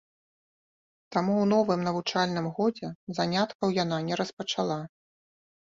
Таму ў новым навучальным годзе заняткаў яна не распачала.